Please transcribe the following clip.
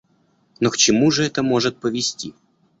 Но к чему же это может повести?